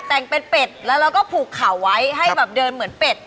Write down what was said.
แต่งเป็นเป็ดแล้วเราก็ผูกเข่าไว้ให้แบบเดินเหมือนเป็ด